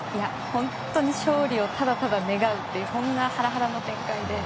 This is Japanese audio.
本当に勝利をただただ願うというそんなハラハラの展開で。